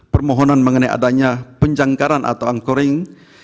permohonan mengenai adanya penjangkaran atau angkoring